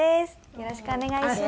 よろしくお願いします！